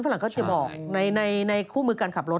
หลังเขาจะบอกในคู่มือการขับรถ